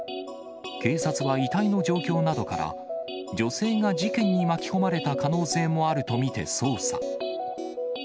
警察は遺体の状況などから、女性が事件に巻き込まれた可能性もあると見て捜査。